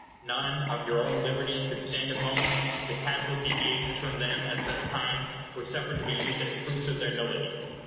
None of your own liberties could stand a moment, if the casual deviations from them at such times were suffered to be used as proofs of their nullity.